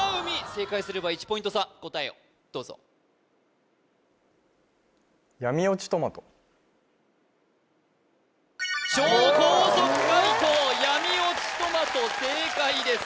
正解すれば１ポイント差答えをどうぞ超高速解答闇落ちとまと正解です